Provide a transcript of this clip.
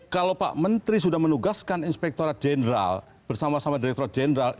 kalau pak menteri sudah menugaskan inspektora jenderal bersama sama direkturat jenderal